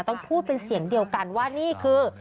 ต้องพูดเป็นเสียงเดียวกันว่านี่คือ